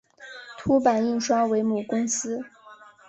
凸版印刷为母公司。